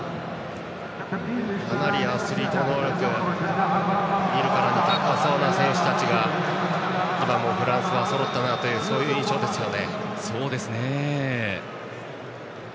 かなりアスリート能力が見るからに高そうな選手たちが今、フランスはそろったという印象ですね。